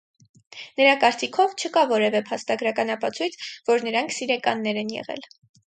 Նրա կարծիքով՝ չկա որևէ փաստագրական ապացույց, որ նրանք սիրեկաններ են եղել։